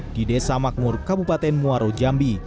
di desa makmur kabupaten muaro jambi